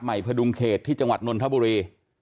พดุงเขตที่จังหวัดนนทบุรี